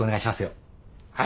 はい。